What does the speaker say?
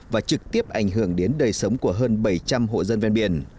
và trực tiếp ảnh hưởng đến đời sống của hơn bảy trăm linh hộ dân ven biển